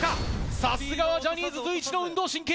さすがはジャニーズ随一の運動神経。